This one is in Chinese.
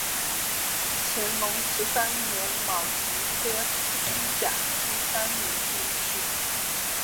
乾隆十三年戊辰科一甲第三名进士。